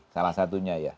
salah satunya ya